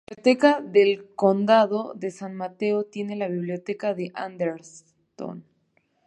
La Biblioteca del Condado de San Mateo tiene la Biblioteca de Atherton.